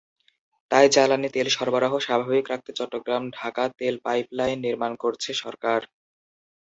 তাই জ্বালানি তেল সরবরাহ স্বাভাবিক রাখতে চট্টগ্রাম-ঢাকা তেল পাইপলাইন নির্মাণ করছে সরকার।